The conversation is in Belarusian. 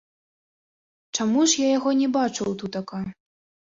Чаму ж я яго не бачыў тутака?